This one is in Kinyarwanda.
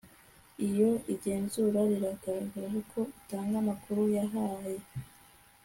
iyo igenzura rigaragaje ko utanga amakuru yahaye